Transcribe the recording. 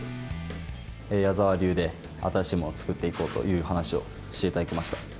矢澤流で新しいものを作っていこうという話をしていただきました。